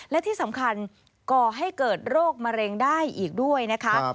และที่สำคัญก่อให้เกิดโรคมะเร็งได้อีกด้วยนะคะ